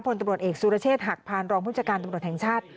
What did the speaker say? โจ๊กผลตรวจเอกสุรเชษฐหักผ่านรองพุทธการตรวจแห่งชาติ